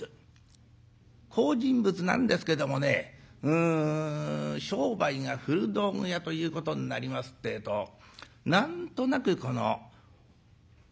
好人物なんですけどもねうん商売が古道具屋ということになりますてえと何となくこの押しが弱いようでございまして。